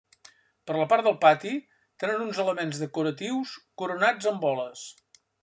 Per la part del pati, tenen uns elements decoratius coronats amb boles.